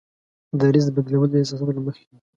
د دریځ بدلول د احساساتو له مخې وي.